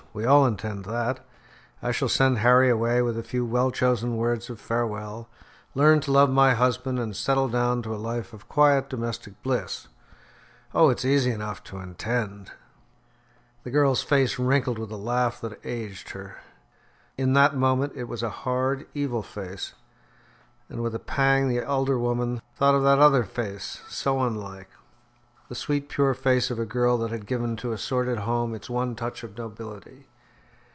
We all intend that. I shall send Harry away with a few well chosen words of farewell, learn to love my husband and settle down to a life of quiet domestic bliss. Oh, it's easy enough to intend!" The girl's face wrinkled with a laugh that aged her. In that moment it was a hard, evil face, and with a pang the elder woman thought of that other face, so like, yet so unlike the sweet pure face of a girl that had given to a sordid home its one touch of nobility.